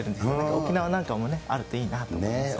沖縄なんかもあるといいなと思いますね。